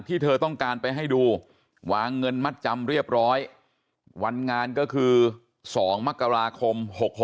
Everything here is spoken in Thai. เธอต้องการไปให้ดูวางเงินมัดจำเรียบร้อยวันงานก็คือ๒มกราคม๖๖